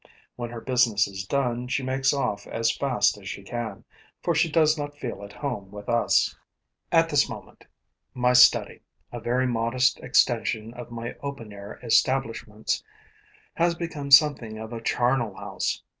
When her business is done, she makes off as fast as she can, for she does not feel at home with us. At this moment, my study, a very modest extension of my open air establishments, has become something of a charnel house.